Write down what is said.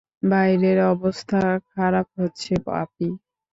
বাইরের অবস্থা খারাপ হচ্ছে, পাপি।